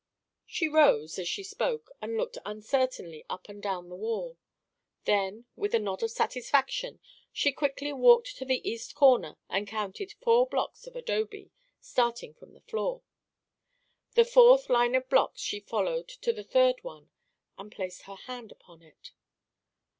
She rose, as she spoke, and looked uncertainly up and down the wall. Then, with a nod of satisfaction, she quickly walked to the east corner and counted four blocks of adobe, starting from the floor. The fourth line of blocks she followed to the third one, and placed her hand upon it.